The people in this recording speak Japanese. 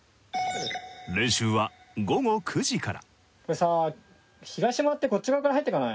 練習は午後９時から。